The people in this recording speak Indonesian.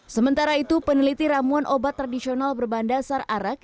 setelah itu peneliti ramuan obat tradisional berbandasar arak